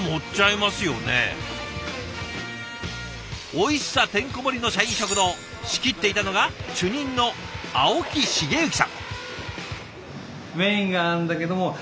おいしさてんこ盛りの社員食堂仕切っていたのが主任の青木繁幸さん。